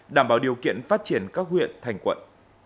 đảm bảo điều kiện phát triển các huyện thành quận